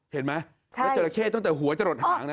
เห็นไหมแล้วจราเข้ตั้งแต่หัวจะหลดหางนะ